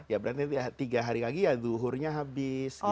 ya berarti tiga hari lagi ya duhurnya habis